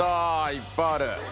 いっぱいある。